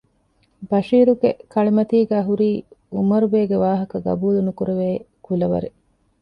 ބަޝީރުގެ ކަޅިމަތީގައި ހުރީ އުމަރުބޭގެ ވާހަކަ ގަބޫލު ނުކުރެވޭ ކުލަވަރެއް